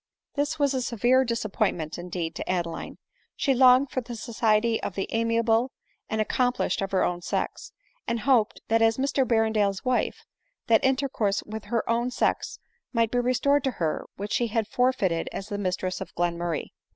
This was a severe disappointment, indeed, to Adeline : she longed for the society of the amiable and accom plished of her own sex ; and hoped, that as Mr Ber rendale's wife, that intercourse with her own sex might 320 ADELINE MOWBRAY. be restored to her which she had forfeited as the mistress of Glenmurray.